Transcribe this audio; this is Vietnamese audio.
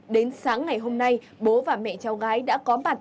đến sáng ngày hôm nay bố và mẹ cháu gái đã có mặt